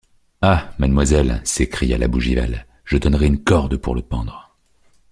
Ah! mademoiselle, s’écria la Bougival, je donnerais une corde pour le pendre.